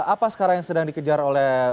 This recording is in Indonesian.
apa sekarang yang sedang dikejar oleh